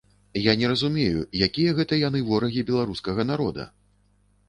Я не разумею, якія гэта яны ворагі беларускага народа?